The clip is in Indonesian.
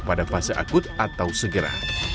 pada fase akut atau segera